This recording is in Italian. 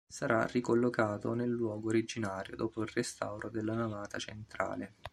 Sarà ricollocato nel luogo originario dopo il restauro della navata centrale.